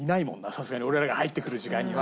さすがに俺らが入ってくる時間には。